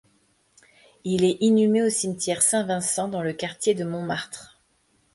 Il est inhumé au Cimetière Saint-Vincent, dans le quartier de Montmartre.